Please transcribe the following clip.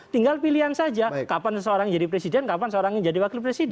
tinggal pilihan saja kapan seseorang menjadi presiden kapan seseorang menjadi wakil presiden